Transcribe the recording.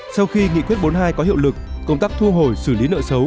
sau khi nghị quyết bốn mươi hai có hiệu lực công tác thu hồi xử lý nợ xấu